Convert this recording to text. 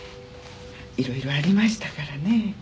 いろいろありましたからねえ。